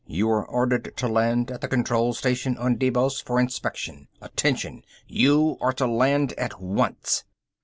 You are ordered to land at the Control Station on Deimos for inspection. Attention! You are to land at once!"